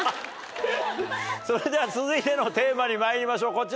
⁉それでは続いてのテーマにまいりましょう。